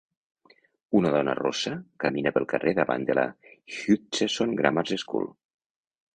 Una dona rossa camina pel carrer davant de la Hutchesons Grammar School